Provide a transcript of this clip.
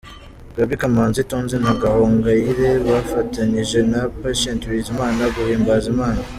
Gaby Kamanzi, Tonzi na Gahonagyire bafatanyije na Patient Biziman guhimbaza Imana.